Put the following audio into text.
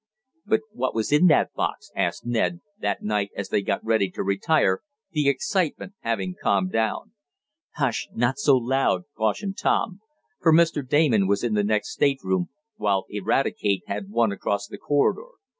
"But what was in that box?" asked Ned, that night as they got ready to retire, the excitement having calmed down. "Hush! Not so loud," cautioned Tom, for Mr. Damon was in the next stateroom, while Eradicate had one across the corridor.